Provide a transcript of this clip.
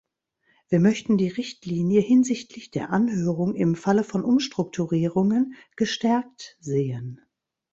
Wir möchten die Richtlinie hinsichtlich der Anhörung im Falle von Umstrukturierungen gestärkt sehen.